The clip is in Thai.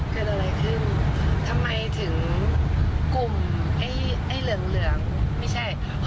เกิดอะไรขึ้นทำไมถึงกลุ่มไอ้เหลืองเหลืองไม่ใช่